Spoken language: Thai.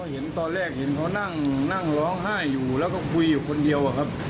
เห็นตอนแรกเห็นเขานั่งร้องไห้อยู่แล้วก็คุยอยู่คนเดียวอะครับ